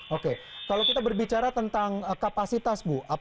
oke kalau kita berbicara tentang kapasitas bu